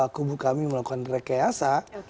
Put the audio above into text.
kubu kami melakukan rekayasa